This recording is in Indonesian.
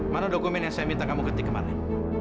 mana dokumen yang saya minta kamu ketik kemarin